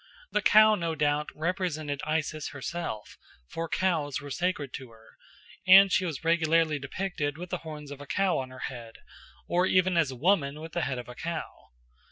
The cow no doubt represented Isis herself, for cows were sacred to her, and she was regularly depicted with the horns of a cow on her head, or even as a woman with the head of a cow.